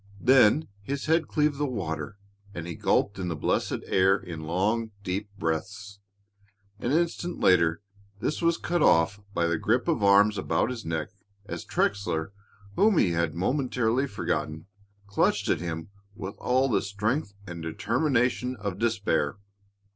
Then his head cleaved the water and he gulped in the blessed air in long, deep breaths. An instant later this was cut off by the grip of arms about his neck as Trexler, whom he had momentarily forgotten, clutched at him with all the strength and determination of despair.